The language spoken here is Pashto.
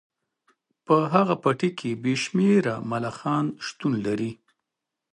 په هغه پټي کې بې شمیره ملخان شتون لري